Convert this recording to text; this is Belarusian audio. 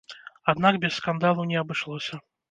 Аднак без скандалу не абышлося.